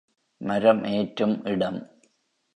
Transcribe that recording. மரம் ஏற்றும் இடம்.